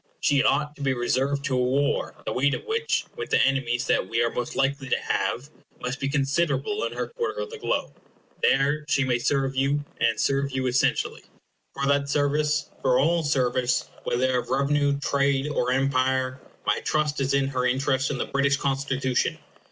She ought to be reserved to a war, the weight of which, with the enemies that we are most likely to have, must be considerable in her quarter of the globe. There she may serve you, and serve you essentially. For that service for all service, whether of revenue, trade, or empire my trust is in her interest in the British Constitution.